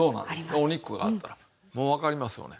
お肉があったらもうわかりますよね。